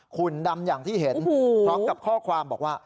หุ่นดำอย่างที่เห็นพร้อมกับข้อความบอกว่า